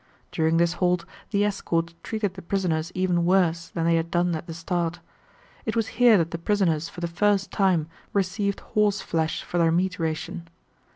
During this halt the escort treated the prisoners even worse than they had done at the start. It was here that the prisoners for the first time received horseflesh for their meat ration.